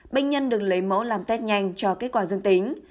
bệnh nhân được lấy mẫu làm test nhanh cho kết quả dương tính